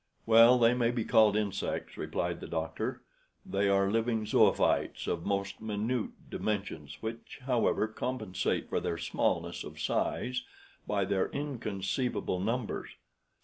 "Well, they may be called insects," replied the doctor; "they are living zoophytes of most minute dimensions, which, however, compensate for their smallness of size by their inconceivable numbers.